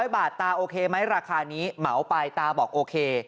๐บาทตาโอเคไหมราคานี้เหมาไปตาบอกโอเค